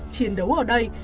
chiến đấu ở đây